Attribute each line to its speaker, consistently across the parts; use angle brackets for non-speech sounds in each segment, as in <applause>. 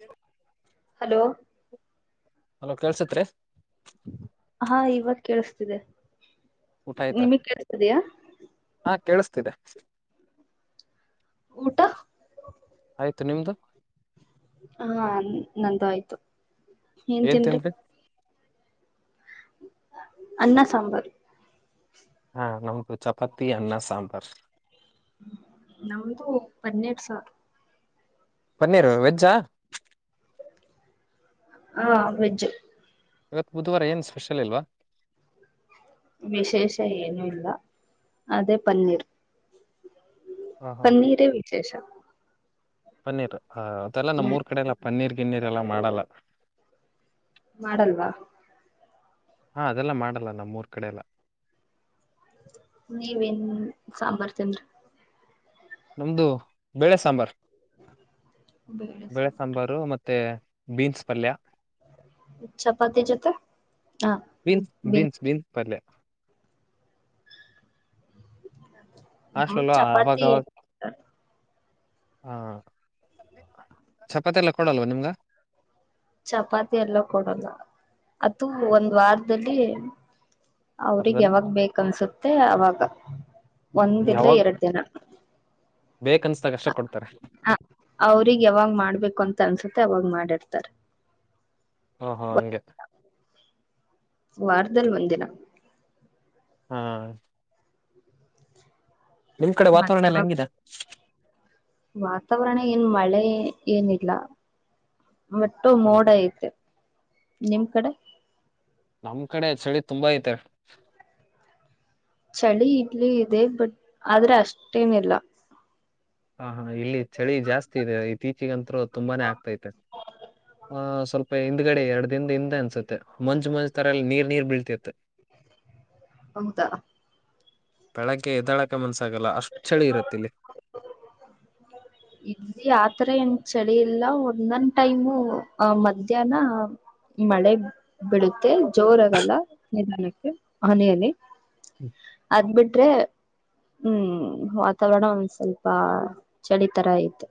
Speaker 1: ಹ್ಮ <unintelligible>
Speaker 2: hello
Speaker 1: hello ಕೇಳ್ಸತ್ರಿ
Speaker 2: ಹಾ ಇವಾಗ ಕೇಳಿಸ್ತಿದೆ
Speaker 1: ಊಟ ಆಯತ್ರ
Speaker 2: ನಿಮಗ್ ಕೇಳಿಸ್ತಿದಯಾ
Speaker 1: ಹಾ ಕೇಳಿಸ್ತಿದೆ
Speaker 2: ಊಟ
Speaker 1: ಆಯ್ತು ನಿಮ್ದು
Speaker 2: ಹಾ ನಂದು ಆಯ್ತು ಏನ್ ತಿನ್ದ್ರಿ ಅನ್ನ ಸಾಂಬಾರು
Speaker 1: ಹಾ ನಮ್ದು ಚಪಾತಿ ಅನ್ನ ಸಾಂಬಾರ್.
Speaker 2: ನಮ್ದು ಪನ್ನಿರ್ ಸಾರ್
Speaker 1: ಪನ್ನೀರ್ ವೆಜ್ಜಾ
Speaker 2: ಹಾ ವೆಜ್ಜು.
Speaker 1: ಇವತ್ತ್ ಬುಧವಾರ ಏನು ಸ್ಪೆಷಲ್ ಇಲ್ವಾ.
Speaker 2: ವಿಶೇಷ ಏನೂ ಇಲ್ಲ ಅದೇ ಪನ್ನೀರ್.
Speaker 1: ಹ
Speaker 2: <inaudible>
Speaker 1: ಹಾ
Speaker 2: ಪನ್ನಿರೇ ವಿಶೇಷ
Speaker 1: ಪನ್ನೀರ್ ಅದೆಲ್ಲ
Speaker 2: ಹ್ಮ್
Speaker 1: ನಮ್ಮೂರ್ ಕಡೆ ಎಲ್ಲ ಪನ್ನೀರ್ ಗಿನ್ನೀರ್ ಎಲ್ಲ ಮಾಡಲ್ಲ <inaudible>
Speaker 2: ಮಾಡಲ್ವಾ.
Speaker 1: ಹಾ ಅದೆಲ್ಲ ಮಾಡಲ್ಲ ನಮ್ಮೂರ್ ಕಡೆ ಎಲ್ಲ
Speaker 2: ನೀವೆನ್ ಸಾಂಬಾರ್ ತಿಂದ್ರಿ.
Speaker 1: ನಮ್ದು ಬೆಳೆ ಸಾಂಬಾರ್ <inaudible> ಬೆಳೆ ಸಾಂಬಾರ್ ರು ಮತ್ತೆ ಬೀನ್ಸ್ ಪಲ್ಯ
Speaker 2: ಚಪಾತಿ ಜೊತೆ ಹಾ ಬೀನ್
Speaker 1: ಪಲ್ಲೆ.
Speaker 2: ಹ್ಮ
Speaker 1: ಹಾಷ್ಟಲಲ್ಲೋ
Speaker 2: ಚಪಾತಿ
Speaker 1: ಅವಾಗವಾಗ ಹಾ <unintelligible> ಚಪಾತಿ ಎಲ್ಲ ಕೊಡಲ್ವ ನಿಮ್ಗ
Speaker 2: ಚಪಾತಿ ಎಲ್ಲ ಕೊಡಲ್ಲ ಅದು ಒಂದ್ ವಾರದಲ್ಲಿ ಅವ್ರಿಗ್
Speaker 1: ಅರ್ಧದಲ್ಲಿ
Speaker 2: ಯಾವಾಗ ಬೇಕ ಅನ್ಸುತ್ತೆ ಅವಾಗ ಒಂದ್ ಇಲ್ಲಾ ಎರಡು ದಿನ
Speaker 1: ಬೇಕ್ ಅನ್ಸದಾಗ ಅಷ್ಟೆ ಕೊಡ್ತಾರೆ.
Speaker 2: ಹ ಅವ್ರಿಗೆ ಯಾವಾಗ್ ಮಾಡ್ಬೇಕು ಅಂತ ಅನ್ಸುತ್ತೆ ಅವಾಗ್ ಮಾಡಿಡ್ತಾರೆ.
Speaker 1: ಓ ಹೋ ಹಂಗೆ.
Speaker 2: ವಾರದಲ್ಲಿ ಒಂದಿನಾ.
Speaker 1: ಹ ಹಾ. ನಿಮ್ ಕಡೆ
Speaker 2: ಮತ್ತೆ
Speaker 1: ವಾತಾವರಣ ಎಲ್ಲ ಹೆಂಗಿದೆ.
Speaker 2: ವಾತಾವರಣ ಏನ್ ಮಳೆ ಏನಿಲ್ಲಾ ಮತ್ತು
Speaker 1: ಹ
Speaker 2: ಮೋಡ ಐತೆ ನಿಮ್ ಕಡೆ
Speaker 1: ನಮ್ ಕಡೆ ಚಳಿ ತುಂಬಾ ಐತೆ
Speaker 2: ಚಳಿ ಇದ್ಲಿ ಇದೆ ಬಟ್ ಆದ್ರೆ ಅಷ್ಟೇನಿಲ್ಲಾ
Speaker 1: ಹಾ ಹಾ ಇಲ್ಲಿ ಚಳಿ ಜಾಸ್ತಿ ಇದೆ ಇತ್ತೀಚೆಗಂತ್ರೂ ತುಂಬಾನೇ ಆಗ್ತೈತೆ. ಹಾ ಸ್ವಲ್ಪ ಹಿಂದ್ಗಡೆ ಎರಡ್ ದಿನದ ಹಿಂದೆ ಅನ್ಸುತ್ತೆ ಮಂಜ್ ಮಂಜ್ ತರಾ ಇಲ್ಲಿ ನೀರ್ ನೀರ್ ಬೀಳ್ತಿತ್ತ.
Speaker 2: <inaudible> ಹೌದಾ.
Speaker 1: ಬೆಳಗ್ಗೆ ಎದ್ದೆಳಕ ಮನ್ಸಾಗಲ್ಲ ಅಷ್ಟ್ ಚಳಿ ಇರತ್ತಿಲ್ಲಿ
Speaker 2: ಇದ್ಲಿ ಆತರ ಏನ್ ಚಳಿ ಇಲ್ಲ ಒಂದೊನ್ ಟೈಮು ಆ ಮಧ್ಯಾಹ್ನಾ ಮಳೆ ಬಿಡುತ್ತೆ ಜೋರ ಆಗಲ್ಲ ನಿದಾನಕ್ಕೆ ಹನಿ ಹನಿ ಅದ್ಬಿಟ್ರೇ ಹ್ಮ್ ವಾತಾವರಣ ಒಂದ್ ಸ್ವಲ್ಪ ಚಳಿ ತರ ಐತೆ.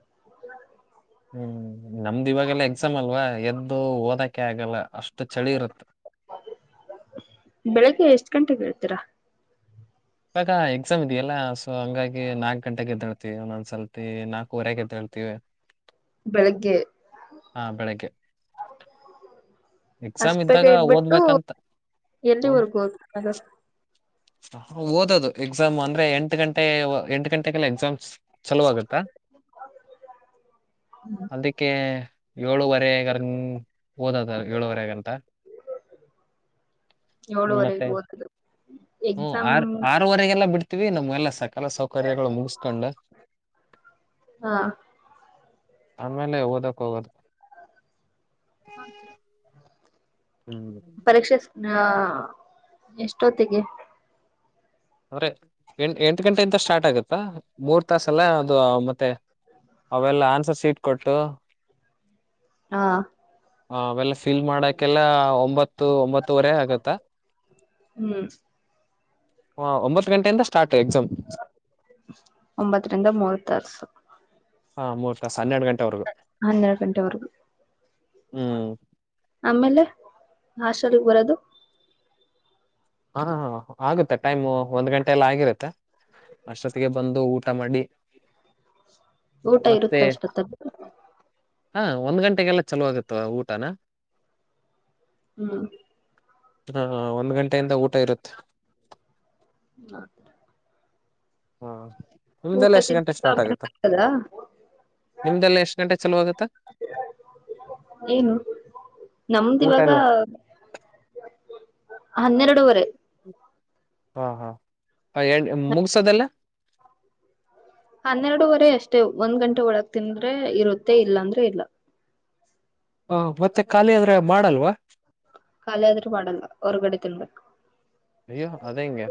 Speaker 1: ಹ್ಮ್ ನಮ್ದ ಇವಾಗೆಲ್ಲಾ ಎಕ್ಸಾಮ್ ಅಲ್ವಾ ಎದ್ದು ಓದಕೆ ಆಗಲ್ಲ ಅಷ್ಟ್ ಷ್ಟ ಚಳಿ ಇರುತ್ತ.
Speaker 2: <inaudible> ಬೆಳಗ್ಗೆ ಎಷ್ಟ್ ಗಂಟೆಗೆ ಎಳ್ತೀರಾ.
Speaker 1: ಇವಾಗ ಎಕ್ಸಾಮ್ ಇದೆಯಲ್ಲಾ ಸೊ ಹಂಗಾಗಿ ನಾಲ್ಕ್ ಗಂಟೆಗೆ ಎದ್ದೆಳ್ತೆವಿ ಒಂದೊಂದ್ಸಲ್ತಿ ನಾಲ್ಕೂವರೆಗೆ ಎದ್ದೇಳ್ತೀವಿ
Speaker 2: ಬೆಳಿಗ್ಗೆ
Speaker 1: ಹಾ ಬೆಳಗ್ಗೆ
Speaker 2: <unintelligible> <inaudible>
Speaker 1: ಎಕ್ಸಾಮ್
Speaker 2: ಅಷ್ಟ್ ಬೇಗ
Speaker 1: ಇದ್ದಾಗ
Speaker 2: ಎದ್ಬಿಟ್ಟು
Speaker 1: ಓದ್ಬೇಕಂತ ಓದ್
Speaker 2: ಎಲ್ಲಿವರೆಗೂ ಓದಿಕೊಳ್ಳೋದು.
Speaker 1: ಓದದು ಎಕ್ಸಾಮ್ ಅಂದ್ರೆ ಎಂಟ ಗಂಟೆ ಎಂಟ ಗಂಟೆಗೆಲ್ಲ ಎಕ್ಸಾಮ್ ಚಲೋ ಆಗುತ್ತಾ
Speaker 2: <unintelligible>
Speaker 1: ಅದಕ್ಕೆ <unintelligible> ಓದದ ಏಳುವರೆಗಂತ. ಮತ್ತೆ
Speaker 2: ಏಳುವರೆಗೆ <unintelligible> ಎಕ್ಸಾಮ್.
Speaker 1: ಆರು ವರೆಗೆಲ್ಲ ಬಿಡ್ತೀವಿ ನಮ್ಗೆಲ್ಲ ಸಕಲ ಸೌಕರ್ಯಗಳು ಮುಗಿಸ್ಕೊಂಡು.
Speaker 2: ಹ
Speaker 1: ಆಮೇಲೆ ಓದಕ್ ಹೋಗೋದ್.
Speaker 2: <inaudible>
Speaker 1: <inaudible>
Speaker 2: ಪರೀಕ್ಷೆ <unintelligible> ಎಸ್ಟೋತ್ತಿಗೆ.
Speaker 1: ಅವ್ರೆ ಎಂಟ್ ಎಂಟು ಗಂಟೆಯಿಂದ ಸ್ಟಾರ್ಟ್ ಆಗು ತ್ತ ಮೂರ್ ತಾಸ ಎಲ್ಲ ಅದು ಮತ್ತೆ. ಅವೆಲ್ಲ ಆನ್ಸರ್ ಸೀಟ್ ಕೊಟ್ಟು
Speaker 2: ಹಾ,
Speaker 1: ಹ ಅವೆಲ್ಲ ಫಿಲ್ ಮಾಡಕ್ಕೆೆಲ್ಲ ಒಂಬತ್ತು ಒಂಬತ್ತುವರೆ ಆಗುತ್ತಾ.
Speaker 2: ಹ್ಮ್
Speaker 1: ಹಾ ಒಂಬತ್ತು ಗಂಟೆಯಿಂದ ಸ್ಟಾರ್ಟ್ ಎಕ್ಸಾಮ್.
Speaker 2: ಒಂಬತ್ತರಿಂದ <unintelligible> ತಾಸು.
Speaker 1: ಹಾ ಮೂರ್ ತಾಸು ಹನ್ನೆರಡು ಗಂಟೆವರೆಗು
Speaker 2: ಹನ್ನೆರಡು ಗಂಟೆವರೆಗೂ
Speaker 1: ಹ್ಮ್,
Speaker 2: ಆಮೇಲೆ ಹಾಸ್ಟೆಲ್ ಗೆ ಬರದು
Speaker 1: ಹ ಹಾ ಆಗುತ್ತೆ ಟೈಮ್ ಒಂದ್ ಗಂಟೆ ಎಲ್ಲ ಆಗಿರುತ್ತೆ. ಅಷ್ಟೊತ್ತಿಗೆ ಬಂದು ಊಟ ಮಾಡಿ,
Speaker 2: ಊಟ
Speaker 1: ಮತ್ತೆ
Speaker 2: ಇರುತ್ತಅಷ್ಟೋತ್ತಲ್ಲಿ
Speaker 1: ಹಾ ಒಂದ್ ಗಂಟೆಗೆಲ್ಲಾ ಚಲೋ ಆಗುತ್ತ ಊಟನ
Speaker 2: ಹ್ಮ್
Speaker 1: ಹಾ ಒಂದ್ ಗಂಟೆಯಿಂದ ಊಟ ಇರುತ್ತೆ.
Speaker 2: ಹ್ಮ
Speaker 1: ಹಾ
Speaker 2: ಊಟ
Speaker 1: ನಿಮ್ದೇಲ್ಲ ಎಷ್ಟು ಗಂಟೆ
Speaker 2: ತಿಂದ
Speaker 1: ಸ್ಟಾರ್ಟ್
Speaker 2: ಆಮೇಲೆ
Speaker 1: ಆಗುತ್ತ.
Speaker 2: ಬರ್ತದಾ
Speaker 1: ನಿಮ್ದೆಲ್ಲ ಎಷ್ಟ ಗಂಟೆ ಚಲೋ ಆಗತ್ತಾ
Speaker 2: <inaudible> ಏನು ನಮ್ದ
Speaker 1: ಊಟ
Speaker 2: ಇವಾಗ
Speaker 1: ಎಲ್ಲ
Speaker 2: ಹನ್ನೆರಡುವರೆ
Speaker 1: ಹಾ ಹಾ <unintelligible> ಮುಗಸೋದಲ್ಲ.
Speaker 2: ಹನ್ನೆರಡುವರೆ ಅಷ್ಟೇ ಒಂದ್ ಗಂಟೆ ಒಳಗ್ ತಿಂದ್ರೆ ಇರುತ್ತೆ, ಇಲ್ಲಾ ಅಂದ್ರೆ ಇಲ್ಲ.
Speaker 1: ಹ ಮತ್ತೆ ಖಾಲಿ ಆದ್ರೆ ಮಾಡಲ್ವಾ.
Speaker 2: ಖಾಲಿ ಆದ್ರೆ ಮಾಡಲ್ಲ ಹೊರ್ಗಡೆ ತಿನ್ಬೇಕು.
Speaker 1: ಅಯ್ಯೋ ಅದೆಂಗೆ.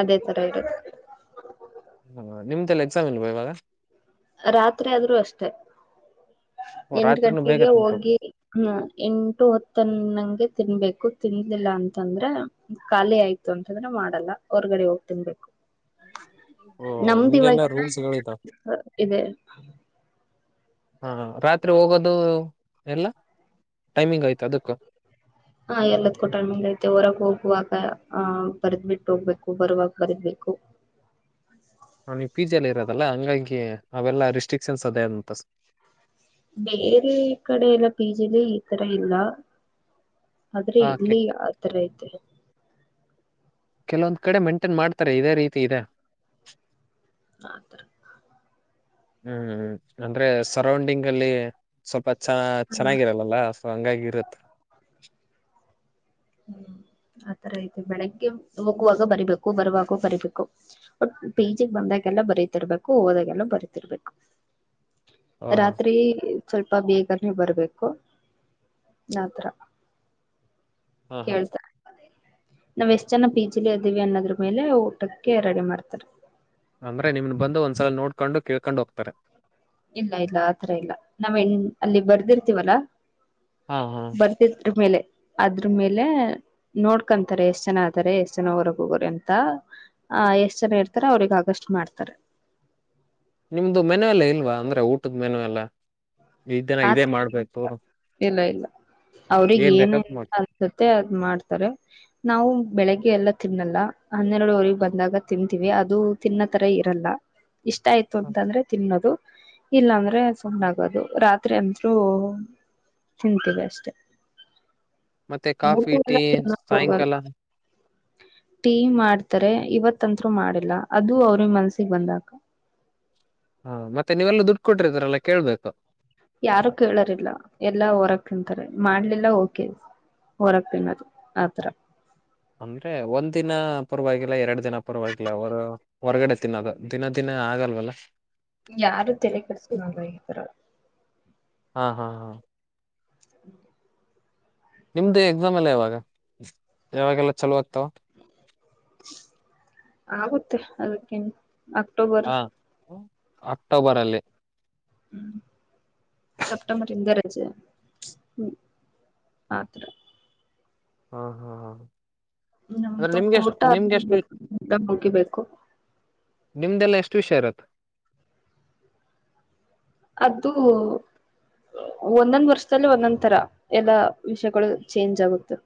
Speaker 2: ಅದೇ ತರ <unintelligible>
Speaker 1: ಹಾ ನಿಮ್ದ ಎಲ್ಲ ಎಕ್ಸಾಮ್ ಇಲ್ವಾ ಇವಾಗ.
Speaker 2: ರಾತ್ರಿ ಆದ್ರೂ ಅಷ್ಟೆ
Speaker 1: ಓ,
Speaker 2: ಎಂಟು
Speaker 1: ರಾತ್ರಿನೂ ಬೇಗ
Speaker 2: ಗಂಟೆಗೆ
Speaker 1: ತಿನ್ಕೋ
Speaker 2: <unintelligible> ಹ್ಮ ಎಂಟು ಹತ್ತ ಅನ್ನಂಗೆ ತಿನ್ಬೇಕು ತಿಂದಿಲ್ಲ ಅಂತಂದ್ರೆ. ಖಾಲಿ ಆಯ್ತು ಅಂತಂದ್ರೆ ಮಾಡಲ್ಲ, ಹೊರ್ಗಡೆ ಹೋಗ್ ತಿನ್ಬೇಕು.
Speaker 1: ಓ
Speaker 2: ನಮ್ದ
Speaker 1: ಹಿಂಗೆಲ್ಲಾ
Speaker 2: ಇವಾಗ
Speaker 1: ರೂಲ್ಸ್ <unintelligible>
Speaker 2: ಇದೆ.
Speaker 1: <inaudible> ಹಾ ರಾತ್ರಿ ಹೋಗೋದು ಎಲ್ಲ ಟೈಮಿಂಗ್ ಆಯ್ತು ಅದಕ್ಕು.
Speaker 2: ಹಾ ಎಲ್ಲದ್ಕು ಟೈಮಿಂಗ್ ಐತೆ ಹೊರಗ್ ಹೋಗುವಾಗ ಆ ಬರ್ದ್ ಬಿಟ್ ಹೋಗ್ಬೇಕು ಬರುವಾಗ ಬರಿಬೇಕು.
Speaker 1: ಆ ನೀವು ಪೀಜ ಅಲ್ಲಿ ಇರೋದಲ್ಲ ಹಂಗಾಗಿ ಅವೆಲ್ಲ ರಿಸ್ಟ್ರಿಕ್ಷನ್ ಅದೇ ಅಂತ
Speaker 2: ಬೇರೆ ಕಡೆ ಎಲ್ಲ ಪಿಜಿಲಿ ಈ ತರ ಇಲ್ಲ. ಆದ್ರೆ
Speaker 1: ಆ ಕೆ-
Speaker 2: ಇಲ್ಲಿ ಆ ತರ ಐತೆ.
Speaker 1: ಕೆಲವೊಂದ್ ಕಡೆ ಮೇಂಟೈನ್ ಮಾಡ್ತಾರೆ ಇದೇ ರೀತಿ ಇದೆ.
Speaker 2: ಆದ್ರು.
Speaker 1: ಹ್ಮ್ ಹ್ಮ ಅಂದ್ರೆ ಸರೌಂಡಿಂಗ್ ಅಲ್ಲಿ. ಸ್ವಲ್ಪ ಚ
Speaker 2: ಹಾ
Speaker 1: ಚೆನ್ನಾಗಿರಲ್ಲಲ್ಲ ಸೊ ಹಂಗಾಗಿ ಇರುತ್ತೆ.
Speaker 2: ಹ್ಮ್ ಆತರ ಐತೆ ಬೆಳಗ್ಗೆ ಹೋಗುವಾಗ ಬರಿಬೇಕು ಬರುವಾಗ ಬರಿಬೇಕು. ಬಟ್ ಪಿ ಜಿ ಗ್ ಬಂದಾಗೆಲ್ಲ ಬರಿತಿರ್ಬೇಕು ಹೋದಾಗೆಲ್ಲ ಬರಿತಿರ್ಬೇಕು.
Speaker 1: ಓಹೋ
Speaker 2: ರಾತ್ರಿ ಸ್ವಲ್ಪ ಬೇಗನೆೇ ಬರ್ಬೇಕು ಆತರ.
Speaker 1: ಹ ಹಾ
Speaker 2: ಕೇಳ್ತಾರೆ ನಾವ್ ಎಷ್ಟ ಜನ ಪಿ ಜಿ ಲಿ ಇದ್ದೀವಿ ಅನ್ನೋದ್ರ ಮೇಲೆ ಊಟಕ್ಕೆ ರೆಡಿ ಮಾಡ್ತಾರೆ.
Speaker 1: ಅಂದ್ರೆ ನಿಮ್ನ್ ಬಂದು ಒಂದ್ಸಲ ನೋಡ್ಕೊಂಡು ಕಳ್ಕೊಂಡ್ ಹೋಗ್ತಾರೆ.
Speaker 2: ಇಲ್ಲ ಇಲ್ಲ ಆತರ ಇಲ್ಲ ನಾವ್ ಅಲ್ಲಿ ಬರ್ದಿರ್ತೀವಲ್ಲಾ.
Speaker 1: ಹಾ ಹಾ
Speaker 2: ಬರ್ತಿದ್ರ ಮೇಲೆ ಅದ್ರು ಮೇಲೆ. ನೋಡ್ಕೊಂತಾರೆ ಎಷ್ಟ್ ಜನ ಆದಾರರೆ ಎಷ್ಟ ಜನ ಹೊರಗ್ ಹೋಗೋರೆ ಅಂತ. ಅ ಎಷ್ಟ್ ಜನ ಇರ್ತಾರೆ ಅವ್ರಿಗ್ ಆಗಷ್ಟು ಮಾಡ್ತಾರೆ.
Speaker 1: ನಿಮ್ದು ಮೆನು ಎಲ್ಲಾ ಇಲ್ವಾ ಅಂದ್ರೆ ಊಟದ ಮೆನು ಎಲ್ಲ. ಈ ದಿನ
Speaker 2: ಆ
Speaker 1: ಇದೇ ಮಾಡ್ಬೇಕು
Speaker 2: ಇಲ್ಲ ಇಲ್ಲ ಅವ್ರಗ್
Speaker 1: ಏನ್
Speaker 2: ಏನ
Speaker 1: ಬೇಕಂತ ಮಾಡ್ತೀವಿ
Speaker 2: ಸತ್ತ ಅದ್ ಮಾಡ್ತಾರೆ. ನಾವು ಬೆಳಿಗ್ಗೆ ಎಲ್ಲ ತಿನ್ನಲ್ಲ ಹನ್ನೆರಡುವರಿಗ್ ಬಂದಾಗ ತಿನ್ಂತೀವಿ ಅದು. ತಿನ್ನತರ ಇರಲ್ಲ. ಇಷ್ಟ ಆಯ್ತು ಅಂತಂದ್ರೆ ತಿನ್ನೋದು ಇಲ್ಲಾಂದ್ರೆ ಸುಮ್ನ ಆಗೋದು ರಾತ್ ರಾತ್ರಿ ಅಂತು ತಿಂತೀವಿ ಅಷ್ಟೆ.
Speaker 1: ಮತ್ತೆ ಕಾಫಿ
Speaker 2: ಎಲ್ಲ
Speaker 1: ಟೀ
Speaker 2: ತಿನ್ನಕ್ ಹೋಗಲ್ಲ
Speaker 1: ಸಾಯಂಕಾಲ.
Speaker 2: ಟೀ ಮಾಡ್ತಾರೆ ಇವತಂತು ಮಾಡಿಲ್ಲ ಅದು ಅವ್ರಿಗ್ ಮನ್ಸಿಗ್ ಬಂದಾಗ.
Speaker 1: ಹಾ ಮತ್ತೆ ನೀವೆಲ್ಲ ದುಡ್ಡು ಕೊಟ್ಟ್ರಿದ್ರಲ್ಲ ಕೇಳ್ಬೇಕು.
Speaker 2: ಯಾರು ಕೇಳೋರಿಲ್ಲ ಎಲ್ಲಾ ಹೊರಕ್ ತಿಂತಾರೆ ಮಾಡ್ಲಿಲ್ಲ ಓಕೆ. ಹೊರ ತಿನ್ನೋದು ಆತರ.
Speaker 1: ಅಂದ್ರೆ ಒಂದ್ ದಿನ ಪೂರ್ವಾಗಿಲ್ಲ ಎರಡ್ ದಿನ ಪೂರ್ವಾಗಿವಾಗಿಲ್ಲ ಅವ್ರ. ಹೊರಗಡೆ ತಿನ್ನೋದು ದಿನ ದಿನ ಆಗಲ್ವಲ್ಲ.
Speaker 2: ಯಾರು ತೆಲೆ ಕೆಡ್ಸ್ಕೊಳಲ್ಲ ಇತರ.
Speaker 1: ಹಾ ಹಾ ಹಾ.
Speaker 2: <inaudible>
Speaker 1: ನಿಮ್ದು ಎಕ್ಸಾಮ್ ಎಲ್ಲ ಯಾವಾಗ ಯಾವಾಗೆಲ್ಲ ಚಲೋ ಆಗ್ತಾವ್.
Speaker 2: ಆಗುತ್ತೆ ಅದಕ್ಕೆನ್ ಅಕ್ಟೋಬರ್.
Speaker 1: ಹಾ ಅಕ್ಟೋಬರ್ ಅಲ್ಲಿ.
Speaker 2: ಸಪ್ಟೆಂಬರ್ ಇಂದ ರಜೆ ಹ್ಮ ಆತ್ರ.
Speaker 1: ಆ ಹಾ ಹಾ.
Speaker 2: ನಮ್
Speaker 1: ಅಂದ್ರೆ
Speaker 2: ತೂ
Speaker 1: ನಿಮ್ಗೆ ಎಷ್ಟು
Speaker 2: ಕೊಟ
Speaker 1: ನಿಮ್ಗೆ ಎಷ್ಟು
Speaker 2: <unintelligible> ಮುಗಿ ಬೇಕು.
Speaker 1: ನಿಮ್ದೆಲ್ಲ ಎಷ್ಟ್ ವಿಷಯ ಇರತ್
Speaker 2: ಅದ್ದು ಒಂದೊಂದ್ ವರ್ಷದಲ್ಲಿ ಒಂದೊಂದ್ ತರ ಎಲ್ಲಾ ವಿಷಯಗಳು ಚೇಂಜ್ ಆಗುತ್ತೆ.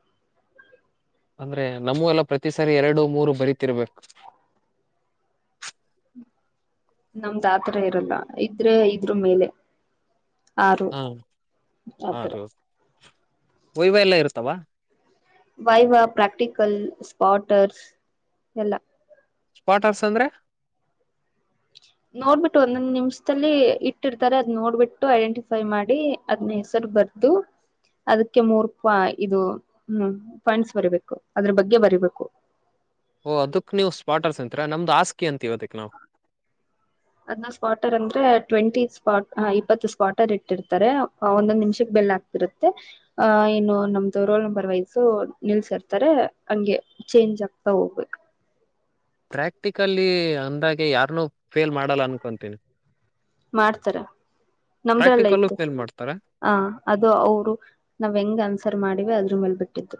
Speaker 1: ಅಂದ್ರೆ ನಮ್ಮೂರ್ ಎಲ್ಲ ಪ್ರತಿ ಸಾರಿ ಎರಡು ಮೂರು ಬರೀತಿರ್ಬೇಕ್.
Speaker 2: ನಮ್ದ ಆತರ ಇರಲ್ಲ ಇದ್ರೆ ಇದ್ರು ಮೇಲೆ. ಆರು
Speaker 1: ಹಾ ಹ
Speaker 2: ಆತರ
Speaker 1: ರ ವೈವ ಎಲ್ಲ ಇರ್ತ್ತವಾ.
Speaker 2: ವೈವ ಪ್ರಾಕ್ಟಿಕಲ್ಸ್ ಸ್ಪಾಟರ್ಸ್ ಎಲ್ಲ.
Speaker 1: ಸ್ಪಾಟರ್ಸ್ ಅಂದ್ರೆ.
Speaker 2: ನೋಡ್ಬಿಟ್ಟು ಒಂದೊಂದ್ ನಿಮಿಷದಲ್ಲಿ ಇಟ್ಟಿರ್ತಾರೆ ಅದ್ ನೋಡ್ಬಿಟ್ಟು ಐಡೆಂಟಿಫೈ ಮಾಡಿ ಅದ್ನ ಹೆಸರು ಬರದು ದು. ಅದಕ್ಕೆ ಮೂರ್ ಪಾಯ್ ಇದು ಹ್ಮ ಪೈಂಟ್ಸ್ ಬರಿಬೇಕು ಅದ್ರ ಬಗ್ಗೆ ಬರಿಬೇಕು.
Speaker 1: ಓಹ ಅದಕ್ ನೀವು ಸ್ಪಾಟರ್ಸ್ ಅಂತ್ರ ನಮ್ದ್ ಆಸ್ಕಿ ಅಂತಿವ್ ಅದಕ್ ನಾವ.
Speaker 2: ಅದ್ನ ಸ್ಕ್ವಾಟರ್ ಅಂದ್ರೆ ಟ್ವೆಂಟಿ ಸ್ ಇಪ್ಪತ್ತು ಸ್ಕ್ವಾಟರ್ ಇಟ್ಟಿರ್ತಾರೆ ಹಾ ಒಂದೊಂದ್ ನಿಮಿಷಕ್ಕೆ ಬೆಲ್ ಆಕ್ತಾರ. ಇರುತ್ತೆ ಆ ಇನ್ನು ನಮ್ದು ರೋಲ್ ನಂಬರ್ ವೈಸು ನಿಲ್ಸಿರ್ತಾರೆ ಹಂಗೆ. ಚೇಂಜ್ ಆಗ್ತಾ ಹೋಗ್ಬೇಕು.
Speaker 1: ಪ್ರಾಕ್ಟಿಕಲ್ಲಿ ಅಂದಾಗೆ ಯಾರನ್ನು ಫೇಲ್ ಮಾಡಲ್ಲ ಅನ್ಕೊತೀನಿ.
Speaker 2: ಮಾಡ್ತಾರೆ ನಮ್ದ್ ರಲ್ಲ
Speaker 1: ಪ್ರಾಕ್ಟಿಕಲ್ಲು
Speaker 2: ಐತೇ
Speaker 1: ಫೇಲ್ ಮಾಡ್ತಾರ
Speaker 2: ಹಾ ಅದು ಅವರು ನಾವ್ ಹೆಂಗ್ ಆನ್ಸರ್ ಮಾಡಿವೆ ಅದ್ರ ಮೇಲ್ ಬಿಟ್ಟಿದ್ದು.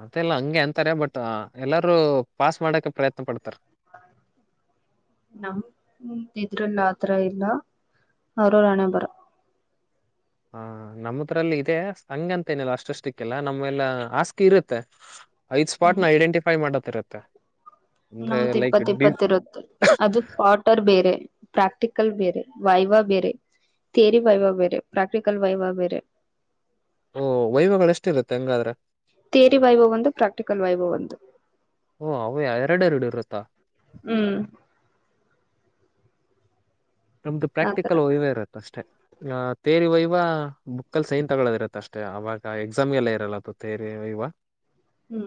Speaker 1: ಅದೆಲ್ಲಾ ಹಂಗೆ ಅಂತಾರೆ ಬಟ್ ಎಲ್ಲಾರೂ ಪಾಸ್ ಮಾಡಕ ಪ್ರಯತ್ನ ಪಡ್ತಾರೆ. <inaudible>
Speaker 2: ನಮ್ ಇದ್ರಲ್ಲಿ ಆತರಾ ಇಲ್ಲಾ ಅವರವರ್ ಹಣೆ ಬರಹ.
Speaker 1: ಹಾ ನಮ್ಮತ್ರಲ್ಲಿ ಇದೆ ಹಂಗಂನತೇನಿಲ್ಲಾ ಅಸ್ಟ ಷ್ಟ್ರೀಕ್ ಇಲ್ಲ ನಮ್ಮೆಲ್ಲ ಆಸ್ಕಿ ಇರತ್ತೆ. ಐದ್
Speaker 2: ಹ್ಮ್
Speaker 1: ಸ್ಪಾಟನ ಐಡೆಂಟಿಫೈ ಮಾಡತ ಇರತ್ತೆ.
Speaker 2: ನಮ್ದ ಇಪ್ಪತ್ ಇಪ್ಪತ್ ಇರುತ್ತ್ ಅದು ಸ್ಪಾಟ್ ರ್ ಬೇರೆ ಪ್ರಾಕ್ಟಿಕಲ್ ಬೇರೆ ವಾಯ್ವಾ ಬೇರೆ. ತೆರಿ ವೈವಾ ಬೇರೆ ಪ್ರಾಕ್ಟಿಕಲ್ ವೈವಾ ಬೇರೆ.
Speaker 1: ಓ ವೈವಗಳ ಎಷ್ಟ ಇರತ್ತೆ ಹಂಗಾದ್ರೇ.
Speaker 2: ತೆರಿ ವೈವಾ ಒಂದು ಪ್ರಾಕ್ಟಿಕಲ್ ವೈವಾ ಒಂದು.
Speaker 1: ಓ ಅವ್ ಎರಡೆರಡು ಇರುತ್ತಾ.
Speaker 2: ಹೂಂ
Speaker 1: ನಮ್ದು
Speaker 2: ಆತರ
Speaker 1: ಪ್ರಾಕ್ಟಿಕಲ್ ವೈವಾ ಇರುತ್ತೆ ಅಷ್ಟೇ. ಅ ತೇರಿ ವೈವಾ ಬುಕ್ಕಲ್ಲಿ ಸೈನ್ ತಗೊಳ್ಳೋದಿರತ್ತೆ ಅಷ್ಟೇ ಅವಾಗ ಎಕ್ಸಾಮ್ ಗೆಲ್ಲ ಇರಲ್ಲಾ ಪ ತೇರಿ ವೈವಾ.
Speaker 2: ಹುಂ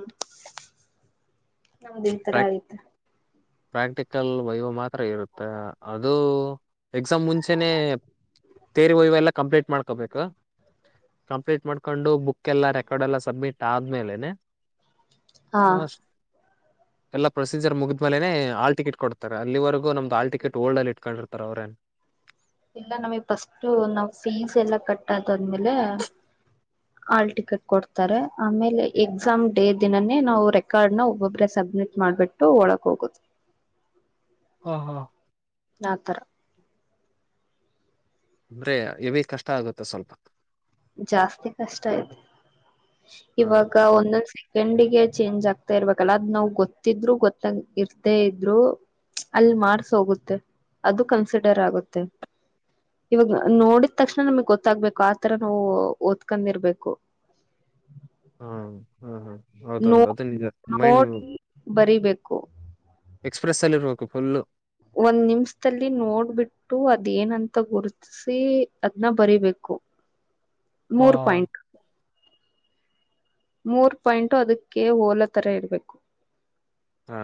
Speaker 2: ನಮದ್ ಇತರಾ
Speaker 1: ಪ್ರಾಕ್
Speaker 2: ಐತೆ.
Speaker 1: ಪ್ರಾಕ್ಟಿಕಲ್ ವೈವಾ ಮಾತ್ರ ಇರುತ್ತೆ ಅದೂ ಎಕ್ಸಾಮ್ ಮುಂಚೆನೆ ತೇರಿ ವೈವಾ ಎಲ್ಲಾ ಕಂಪ್ಲೀಟ್ ಮಾಡ್ಕೊಬೇಕು. ಕಂಪ್ಲೀಟ್ ಮಾಡ್ಕೊಂಡು ಬುಕ್ ಎಲ್ಲಾ ರೆಕಾರ್ಡೆ ಎಲ್ಲಾ ಸಬ್ಮಿಟ್ ಆದ್ಮೇಲೆನೆ
Speaker 2: ಹಾ
Speaker 1: ಆಸ್ಟ್. ಎಲ್ಲ ಪ್ರೊಸೀಜರ್ ಮುಗಿದ್ಮೇನೆ ಹಾಲ್ ಟಿಕಿಟ್ ಕೊಡ್ತಾರೆ ಅಲ್ಲಿವರೆಗೂ ನಮ್ದ ಹಾಲ್ ಟಿಕಿಟ್ ಹೊಲ್ಡಲ್ಲಿ ಇಟ್ಟುಕೊಂಡಿರುತ್ತಾರೆ ಅವ್ರೇ.
Speaker 2: ಇಲ್ಲಾ ನಮಗ್ ಪಸ್ಟ್ ನಾವ್ ಫೀಸ್ ಎಲ್ಲಾ ಕಟ್ಟ ಆಗ ಆದ್ಮೇಲೆ
Speaker 1: <inaudible>
Speaker 2: ಹಾಲ್ ಟಿಕಿಟ್ ಕೊಡ್ತಾರೆ ಆಮೇಲೆ ಎಕ್ಸಾಮ್ ಡೇ ದಿನನೇ ನಾವು ರೆಕಾರ್ಡ್ನ ಒಬ್ಬೊಬ್ಬ್ರೇ ಸಬ್ಮಿಟ್ ಮಾಡ್ ಬಿಟ್ ಒಳಕ್ ಹೋಗೋದು.
Speaker 1: ಹಾ ಹಾ
Speaker 2: ಆ ತರಾ
Speaker 1: ಅಂದ್ರೆ ಹೇವಿ ಕಷ್ಟಾ ಆಗುತ್ತೆ ಸ್ವಲ್ಪಾ
Speaker 2: ಜಾಸ್ತಿ ಕಷ್ಟಾ ಇದೇ
Speaker 1: ಹ
Speaker 2: ಇವಾಗ ಒಂದೊಂದ್ ಎಂಡಿಗೆ ಚೇಂಜ್ ಆಗ್ತಾ ಇರ್ಬೇಕಲ್ಲಾ ಅದ್ ನಾವ್ ಗೊತ್ತಿದ್ರು ಗೊತ್ತಾಗ ಇರ್ತೇ ಇದ್ರು ಅಲ್ಲಿ ಮಾರ್ಸ್ ಹೋಗುತ್ತೆ ಅದು ಕನ್ಸಿಡರ್ ಆಗುತ್ತೆ. ಇವಾಗ ನೋಡಿದ ತಕ್ಷಣ ನಮಗ್ ಗೊತ್ತಾಗ್ಬೇಕು ಆತರ ನಾವು ಓದ್ಕೊಂಡಿರ್ಬೇಕು.
Speaker 1: ಹಾ ಹಾ ಹಾ
Speaker 2: ನೋ
Speaker 1: ಹೌದೌದು ಅದು ನಿಜ ಮೈಂಡ್
Speaker 2: ನೋಡಿ ಬರಿಬೇಕು
Speaker 1: ಎಕ್ಸ್ ಪ್ರೆಸ್ ಅಲ್ಲಿ ಇರ್ಬೇಕು ಫುಲ್
Speaker 2: ಒಂದ್ ನಿಮಿಷದಲ್ಲಿ ನೋಡ್ಬಿಟ್ಟು ಅದೇನಂತ ಗುರುತ್ತ ಸೀ ಅದ್ನ್ ಬರಿಬೇಕು.
Speaker 1: <inaudible>
Speaker 2: ಮೂರು ಪಾಯಿಂಟ್. ಮೂರ್ ಪಾಯಿಂಟು ಅದಕ್ಕೆ ಹೋಲ ತರ ಇರ್ಬೇಕು.
Speaker 1: ಹಾ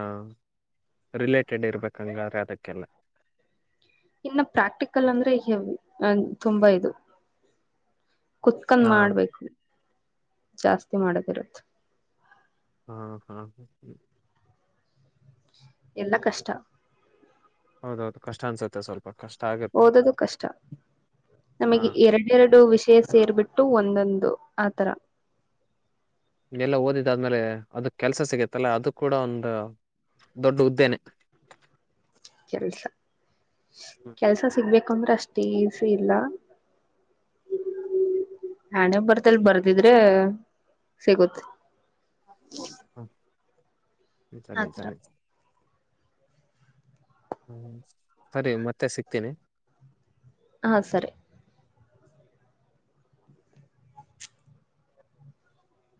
Speaker 1: ರಿಲೇಟೆಡ್ ಇರ್ಬೇಕ್ ಹಂಗಾರೆ ಅದಕ್ಕೆಲ್ಲ.
Speaker 2: ಇನ್ನು ಪ್ರಾಕ್ಟಿಕಲ್ ಅಂದ್ರೆ ಹೆವಿ ತುಂಬಾ ಇದು. ಕುತ್ಕೊಂಡ್
Speaker 1: ಹಾ
Speaker 2: ಮಾಡ್ಬೇಕು ಜಾಸ್ತಿ ಮಾಡದ ಇರುತ್ತೆ.
Speaker 1: ಹಾ ಹಾ ಹ
Speaker 2: ಎಲ್ಲ ಕಷ್ಟ.
Speaker 1: ಹೌದೌದು ಕಷ್ಟ ಅನ್ಸುತ್ತೆ ಸ್ಲ್ಪ ಕಷ್ಟ ಆ
Speaker 2: ಓದದು ಕಷ್ಟ
Speaker 1: ಹಾ
Speaker 2: ನಮಗೆ ಎರಡೆರಡು ವಿಷೇಷ ಸೇರ್ ಬಿಟ್ಟು ಒಂದೊಂದು ಆಥರ.
Speaker 1: ಗೆಲ್ಲ ಓದಿದ್ದಾದ್ಮೇಲೆ ಅದ ಕೆಲ್ಸ ಸಿಗತ್ತಲ್ಲ ಅದು ಕೂಡ ಒಂದು ದೊಡ್ಡ ಉದ್ಯ ನೆ.
Speaker 2: ಕೆಲ್ಸ
Speaker 1: ಹ್ಮ್
Speaker 2: ಕೆಲ್ಸ ಸಿಗ್ಬೇಕ ಹಕಂಬ್ರೆ ಅಷ್ಟ ಈಜಿ ಇಲ್ಲ. ಹಣೆ ಬರಹದಲ್ಲಿ ಬರ್ದಿದ್ರೆ ಸಿಗುತ್ತೆ.
Speaker 1: ಹ ನಿಜ
Speaker 2: ಆತರ
Speaker 1: ನಿಜಾನೆ. ಹ್ಮ ಸರಿ ಮತ್ತೆ ಸಿಕ್ತೀನಿ.
Speaker 2: ಹಾಂ ಸರಿ.